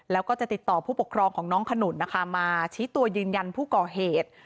แล้วก็จะติดต่อผู้ปกครองของน้องขนุนนะคะมาชี้ตัวยืนยันผู้ก่อเหตุ